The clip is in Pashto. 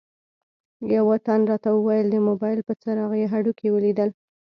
یوه تن راته وویل د موبایل په څراغ یې هډوکي ولیدل.